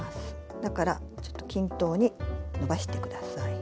だからちょっと均等にのばしてください。